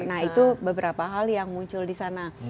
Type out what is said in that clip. nah itu beberapa hal yang muncul di sana